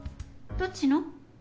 どっちの？